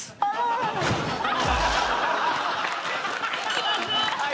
気まずっ！